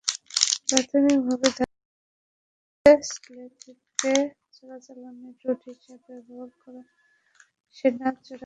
প্রাথমিকভাবে ধারণা করা হচ্ছে, সিলেটকে চোরাচালানের রুট হিসেবে ব্যবহার করছে সোনা চোরাকারবারিরা।